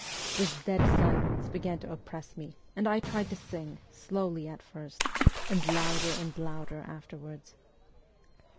This dead silence began to oppress me, and I tried to sing, slowly at first, and louder and louder afterwards.